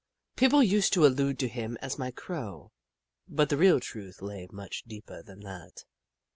People used to allude to him as my Crow, but the real truth lay much deeper than that.